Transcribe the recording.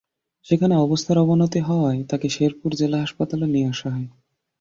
সেখানে অবস্থার অবনতি হওয়ায় তাঁকে শেরপুর জেলা হাসপাতালে নিয়ে আসা হয়।